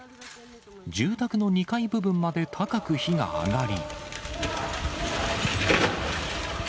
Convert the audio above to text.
住宅の２階部分まで高く火が上がり。